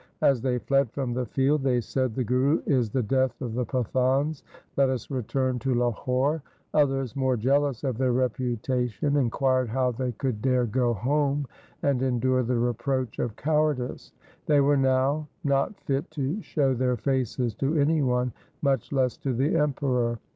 As they fled from the field they said, ' The Guru is the death of the Pathans. Let us return to Lahore.' Others, more jealous of their reputation, inquired how they could dare go home and endure the reproach of cowardice. They were now not fit to show their faces to any one, much less to the Emperor.